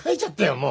もう。